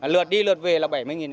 lượt đi lượt về là bảy mươi